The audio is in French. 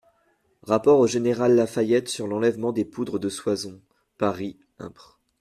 =Rapport au Général La Fayette sur l'enlèvement des poudres de Soissons.= Paris, Impr.